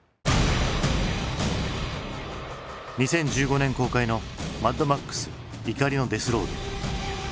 ２０１５年公開の「マッドマックス怒りのデス・ロード」。